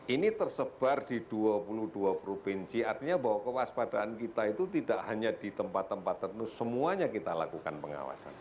ini tersebar di dua puluh dua provinsi artinya bahwa kewaspadaan kita itu tidak hanya di tempat tempat tertentu semuanya kita lakukan pengawasan